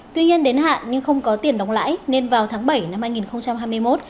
tuy nhiên đến hạn nhưng không có tiền đóng lãi nên vào tháng bảy năm hai nghìn hai mươi một